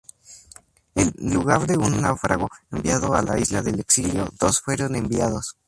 En lugar de un náufrago enviado a la Isla del exilio, dos fueron enviados.